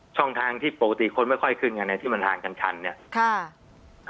ช่องทางที่ปกติคนไม่ค่อยขึ้นไงที่มันห่างกันชันเนี่ย